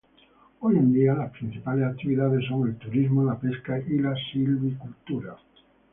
Hoy en día, las principales actividades son el turismo, la pesca y la silvicultura.